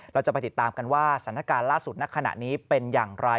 เราจะไปติดตามกันว่าสถานการณ์ล่าสุดณขณะนี้เป็นอย่างไร